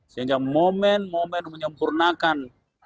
sehingga momen momen menyempurnakan